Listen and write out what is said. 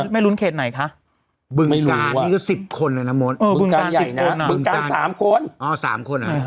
บึงการนี่ก็๑๐คนเลยนะโมน